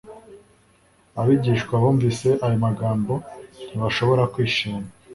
Abigishwa bumvise ayo magambo, ntibashobora kwishima.